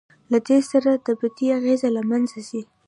له دې سره د بدۍ اغېز له منځه ځي.